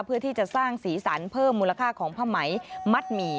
เพื่อที่จะสร้างสีสันเพิ่มมูลค่าของผ้าไหมมัดหมี่